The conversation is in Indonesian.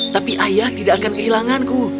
tapi ayah tidak akan kehilanganku